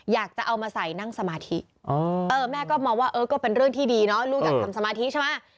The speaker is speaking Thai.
อยากจะเอามาใส่นั่งสมาธิแม่ก็มองว่าเออก็เป็นเรื่องที่ดีเนาะลูกอยากทำสมาธิใช่ไหม